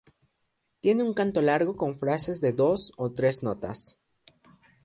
Tiene un canto largo con frases de dos o tres notas.